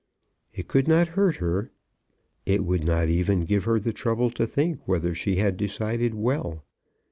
It could not hurt her. It would not even give her the trouble to think whether she had decided well.